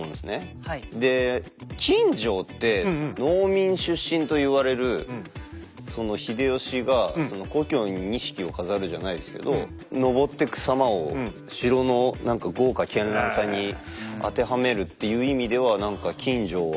で錦城って農民出身と言われる秀吉が故郷に錦を飾るじゃないですけど上ってく様を城の何か豪華絢爛さに当てはめるっていう意味では何か錦城は。